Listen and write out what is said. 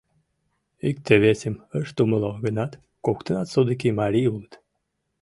Икте-весым ышт умыло гынат, коктынат содыки марий улыт.